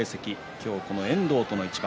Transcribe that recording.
今日は遠藤との一番。